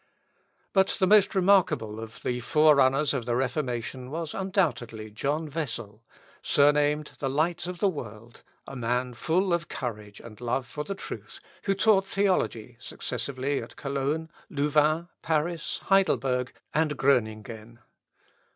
'" But the most remarkable of the forerunners of the Reformation was undoubtedly John Wessel, surnamed "The Light of the World," a man full of courage and love for the truth, who taught theology successively at Cologne, Louvain, Paris, Heidelberg, and Gröningen.